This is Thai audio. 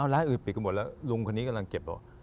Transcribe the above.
ร้านอื่นปิดกันหมดแล้วลุงคนนี้กำลังเก็บบอก